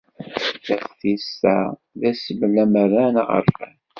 Taftist-a d asmel amerran aɣerfan.